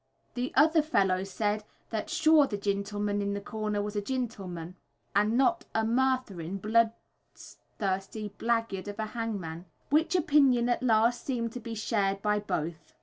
The other fellow said that "shure the gintleman in the corner was a gintleman, and not a murtherin, blood thirsty, blagyard of a hangman," which opinion at last seemed to be shared by both.